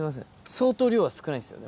相当量は少ないですけど。